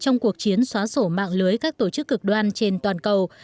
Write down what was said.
trong cuộc chiến xóa sổ mạng lưới các tổ chức cực đoan trên toàn cầu